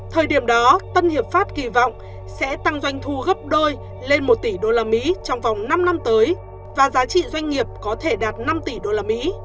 thời điểm đó tân hiệp pháp kỳ vọng sẽ tăng doanh thu gấp đôi lên một tỷ usd trong vòng năm năm tới và giá trị doanh nghiệp có thể đạt năm tỷ usd